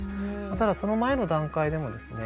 ただその前の段階でもですね